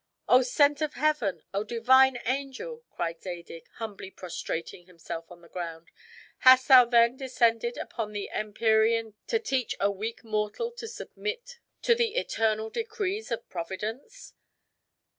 "O sent of heaven! O divine angel!" cried Zadig, humbly prostrating himself on the ground, "hast thou then descended from the Empyrean to teach a weak mortal to submit to the eternal decrees of Providence?"